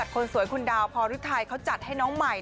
คนสวยคุณดาวพรฤทัยเขาจัดให้น้องใหม่